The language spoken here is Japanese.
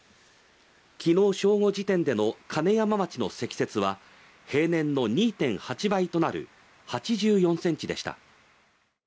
昨日正午時点での金山町の積雪は平年の２．８倍となる８４ｃｍでした